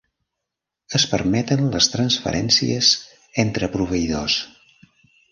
Es permeten les transferències entre proveïdors.